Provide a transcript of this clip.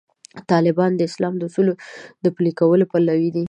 طالبان د اسلام د اصولو د پلي کولو پلوي دي.